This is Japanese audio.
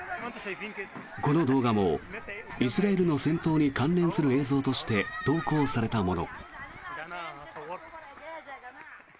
この動画もイスラエルの戦闘に関連する映像として投稿されたもの。